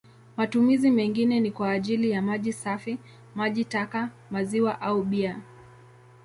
Matumizi mengine ni kwa ajili ya maji safi, maji taka, maziwa au bia.